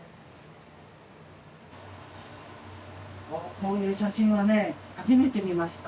こういう写真はね初めて見ました。